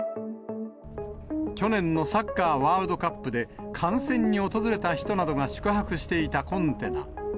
去年のサッカーワールドカップで観戦に訪れた人などが宿泊していたコンテナ。